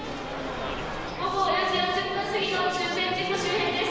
午後４時４０分過ぎの中禅寺湖周辺です。